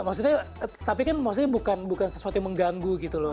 maksudnya tapi kan maksudnya bukan sesuatu yang mengganggu gitu loh